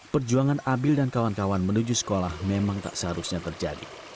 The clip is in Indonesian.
perjuangan abil dan kawan kawan menuju sekolah memang tak seharusnya terjadi